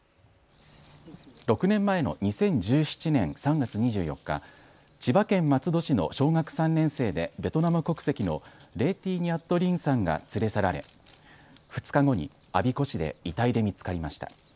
６年前の２０１７年３月２４日、千葉県松戸市の小学３年生でベトナム国籍のレェ・ティ・ニャット・リンさんが連れ去られ２日後に我孫子市で遺体で見つかりました。